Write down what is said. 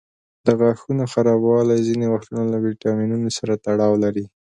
د غاښونو خرابوالی ځینې وختونه له ویټامینونو سره تړاو لري.